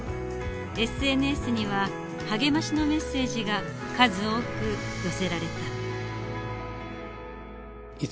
ＳＮＳには励ましのメッセージが数多く寄せられた。